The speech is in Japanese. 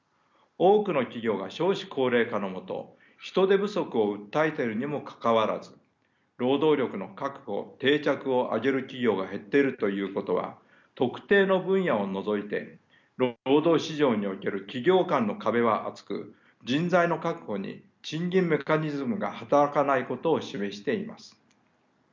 多くの企業が少子高齢化のもと人手不足を訴えているにもかかわらず「労働力の確保・定着」を挙げる企業が減っているということは特定の分野を除いて労働市場における企業間の壁は厚く人材の確保に賃金メカニズムが働かないことを示しています。